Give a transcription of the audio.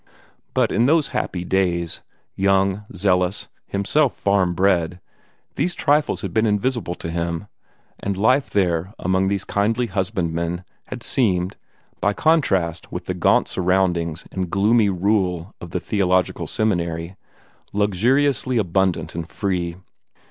But in those happy days young, zealous, himself farm bred these trifles had been invisible to him, and life there among those kindly husbandmen had seemed, by contrast with the gaunt surroundings and gloomy rule of the theological seminary, luxuriously abundant and free.